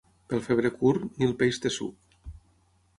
Pel febrer curt, ni el peix té suc.